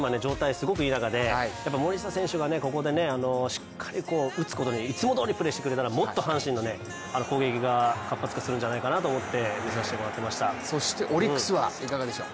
すごくいい中で森下選手がここでしっかり打つこと、いつもどおりプレーしてくれたらもっと阪神の攻撃が活発化するんじゃないかなと思ってオリックスはいかがでしょう？